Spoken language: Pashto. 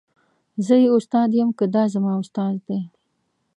زه یې استاد یم که دای زما استاد دی.